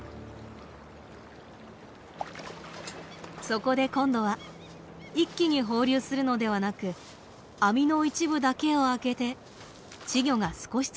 そこで今度は一気に放流するのではなく網の一部だけを開けて稚魚が少しずつ出ていくようにしました。